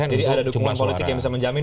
jadi ada dukungan politik yang bisa menjamin